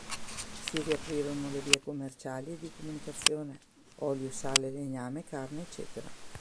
Si riaprirono le vie commerciali e di comunicazione: olio, sale, legname, carne, ecc.